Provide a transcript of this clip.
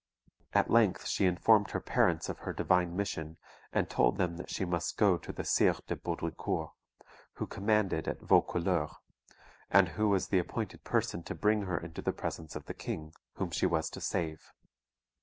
At length she informed her parents of her divine mission, and told them that she must go to the Sire de Baudricourt, who commanded at Vaucouleurs, and who was the appointed person to bring her into the presence of the king, whom she was to save.